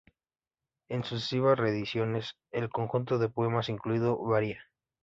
En sucesivas reediciones, el conjunto de poemas incluidos varía.